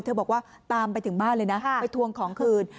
บอกว่าตามไปถึงบ้านเลยนะไปทวงของคืน